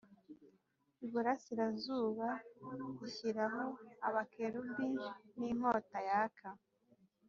iburasirazuba ishyiraho Abakerubi n inkota yaka